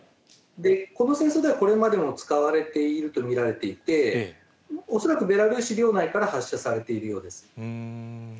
この戦争ではこれまでも使われていると見られていて、恐らくベラルーシ領内から発射されているようです。